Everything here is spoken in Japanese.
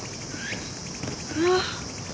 あっ。